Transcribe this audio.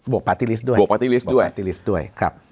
วปาร์ตี้ลิสต์ด้วยบวกปาร์ตี้ลิสต์ด้วยปาร์ตี้ลิสต์ด้วยครับ